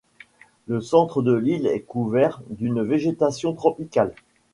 Le centre de l'île est couvert d'une végétation tropicale.